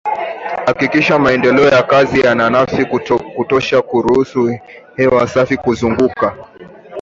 Hakikisha maeneo ya kazi yana nafasi za kutosha kuruhusu hewa safi kuzunguka